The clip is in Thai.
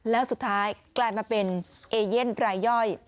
แล้วสุดท้ายกลายมาเป็นเอเย่นรายย่อย